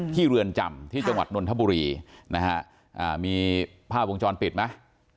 ที่เรือนจำที่จังหวัดนทบุรีนะฮะอ่ามีผ้าวงจรปิดไหมอ่า